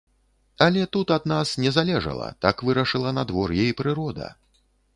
Але тут ад нас не залежала, так вырашыла надвор'е і прырода.